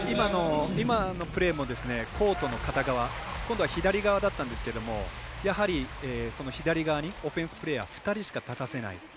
今のプレーもコートの片側今度は左側だったんですがやはり、左側にオフェンスプレーヤー２人しか立たせない。